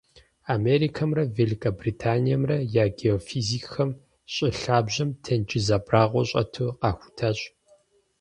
Америкэмрэ Великобританиемрэ я геофизикхэм щӀы лъабжьэм тенджыз абрагъуэ щӀэту къахутащ.